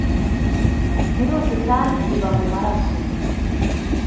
virusi kandi iba mu maraso